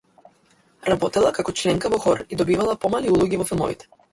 Работела како членка во хор и добивала помали улоги во филмовите.